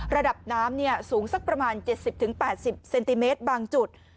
ระดับน้ำสูงสักประมาณ๗๐๘๐เซนติเมตรบางจุด